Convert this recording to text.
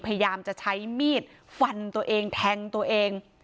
พยายามจะใช้มีดฟันตัวเองแทงตัวเอง